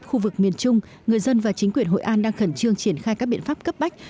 khu vực miền trung người dân và chính quyền hội an đang khẩn trương triển khai các biện pháp cấp bách